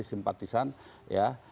jadi simpatisan ya